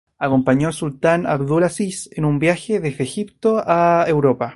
Acompañó al sultán Abd-ul-Aziz en su viaje desde Egipto a Europa.